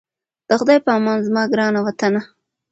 د خدای په امان زما ګرانه وطنه😞